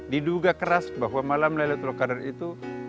diduga keras bahwa malam laylatul qadar itu